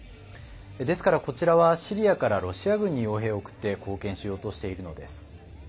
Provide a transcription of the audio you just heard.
ですから、こちらはシリアからロシア軍によう兵を送って貢献しようとしているのです。